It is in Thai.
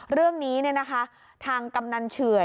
เรื่องนี้ทางกำนันเฉื่อย